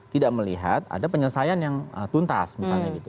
tidak melihat ada penyelesaian yang tuntas misalnya gitu